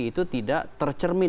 itu tidak tercermin